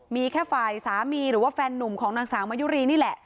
มีแค่ฝ่ายสามีหรือว่าแฟนนุ่มของนางสาวมายุรีนี่แหละ